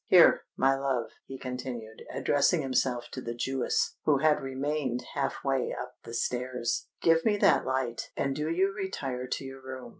Here, my love," he continued, addressing himself to the Jewess, who had remained half way up the stairs, "give me that light, and do you retire to your room.